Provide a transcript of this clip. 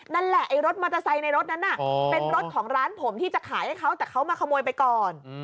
นั่นแหละไอ้รถมอเตอร์ไซค์ในรถนั้นเป็นรถของร้านผมที่จะขายให้เขาแต่เขามาขโมยไปก่อน